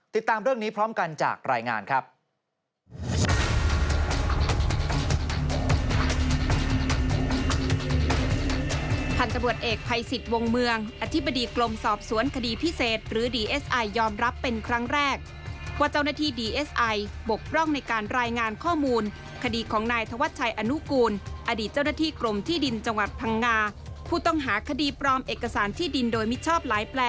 ติดตามเรื่องนี้พร้อมกันจากรายงานครับ